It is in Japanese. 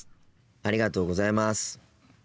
ありがとうございます。